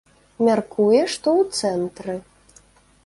Мяркуе, што ў цэнтры.